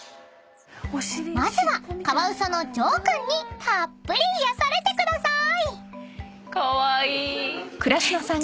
［まずはカワウソのジョー君にたっぷり癒やされてください］